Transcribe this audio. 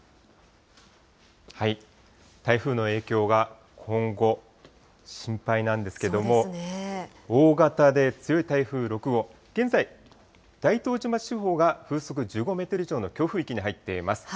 台風の影響が今後、心配なんですけれども、大型で強い台風６号、現在、大東島地方が風速１５メートル以上の強風域に入っています。